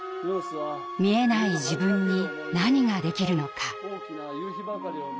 見えない自分に何ができるのか。